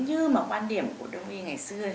như mà quan điểm của đồng nghiên ngày xưa